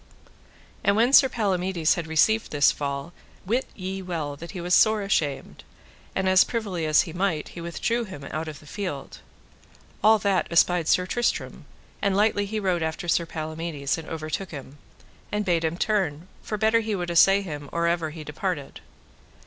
And when Sir Palamides had received this fall, wit ye well that he was sore ashamed, and as privily as he might he withdrew him out of the field. All that espied Sir Tristram, and lightly he rode after Sir Palamides and overtook him, and bade him turn, for better he would assay him or ever he departed.